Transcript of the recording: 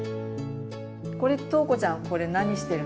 これとうこちゃんこれ何してるの？